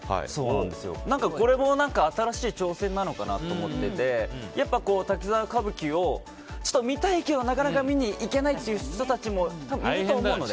これも新しい挑戦なのかなと思っていて「滝沢歌舞伎」を見たいけどなかなか見に行けないという人たちも多分いると思うので。